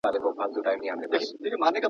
له نسیم سره زګېروئ د جانان راغی `